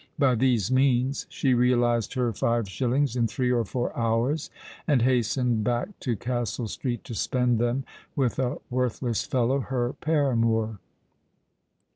By these means she realized her five shillings in three or four hours, and hastened back to Castle Street to spend them with a worthless fellow—her paramour.